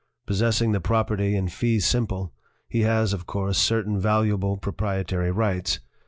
Possessing the property in fee simple, he has, of course, certain valuable proprietary rights.